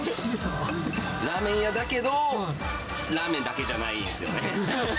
ラーメン屋だけど、ラーメンだけじゃないんですよね。